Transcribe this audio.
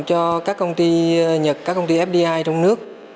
cho các công ty nhật các công ty fdi trong nước